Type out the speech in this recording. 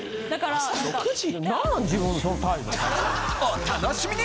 お楽しみに！